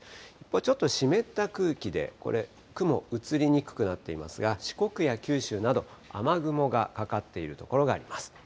ちょっと湿った空気で、これ、雲、映りにくくなっていますが、四国や九州など雨雲がかかっている所があります。